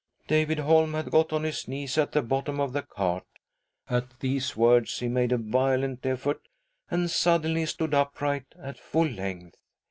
David Holm had got on his knees at the bottom of the cart. At these words he made a violent effort, and suddenly stood upright at full length.